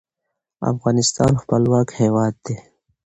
افغانستان خپلواک هیواد دی.